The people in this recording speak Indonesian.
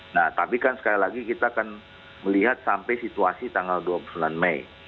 nah tapi kan sekali lagi kita akan melihat sampai situasi tanggal dua puluh sembilan mei